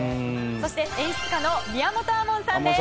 そして演出家の宮本亞門さんです。